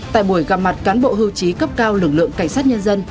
tại buổi gặp mặt cán bộ hưu trí cấp cao lực lượng cảnh sát nhân dân